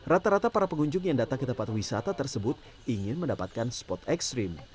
rata rata para pengunjung yang datang ke tempat wisata tersebut ingin mendapatkan spot ekstrim